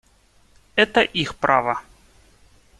Это их право.